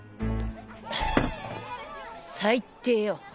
最低よ！